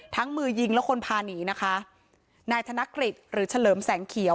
มือยิงและคนพาหนีนะคะนายธนกฤษหรือเฉลิมแสงเขียว